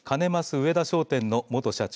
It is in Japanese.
上田商店の元社長